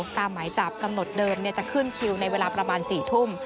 หมายจับกำหนดเดิมจะขึ้นคิวในเวลาประมาณ๔ทุ่ม